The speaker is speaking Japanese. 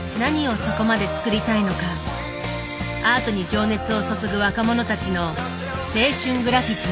アートに情熱を注ぐ若者たちの青春グラフィティー。